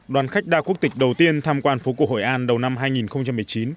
đoàn khách đa quốc tịch đầu tiên tham quan phố cổ hội an đầu năm hai nghìn một mươi chín